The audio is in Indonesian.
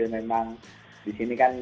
memang di sini kan